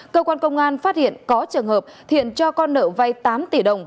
cơ quan công an phát hiện có trường hợp thiện cho con nợ vay tám tỷ đồng